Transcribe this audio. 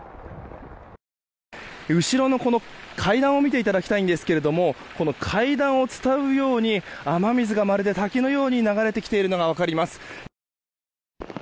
後ろの階段を見ていただきたいですが階段を伝うように雨水がまるで滝のように流れてきているのが分かります。